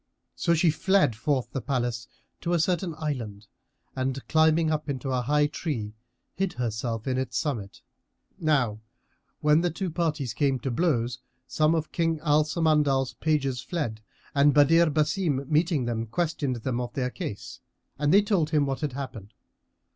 So she fled forth the palace to a certain island, and climbing up into a high tree, hid herself in its summit. Now when the two parties came to blows, some of King Al Samandal's pages fled and Badr Basim meeting them, questioned them of their case and they told him what had happened.